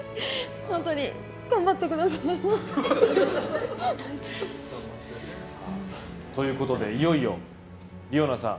本当、頑張ってください。ということでいよいよ梨生奈さん